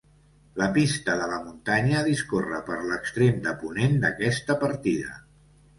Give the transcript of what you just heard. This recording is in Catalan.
La Pista de la Muntanya discorre per l'extrem de ponent d'aquesta partida.